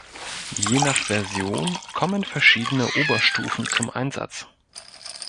Je nach Version kommen verschiedene Oberstufen zum Einsatz.